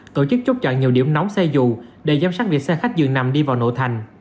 tổ chức chốt chặn nhiều điểm nóng xe dù để giám sát việc xe khách dường nằm đi vào nội thành